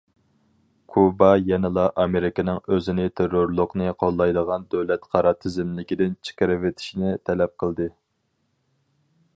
كۇبا يەنىلا ئامېرىكىنىڭ ئۆزىنى تېررورلۇقنى قوللايدىغان دۆلەت قارا تىزىملىكىدىن چىقىرىۋېتىشىنى تەلەپ قىلدى.